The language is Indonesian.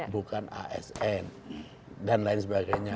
bukan asn dan lain sebagainya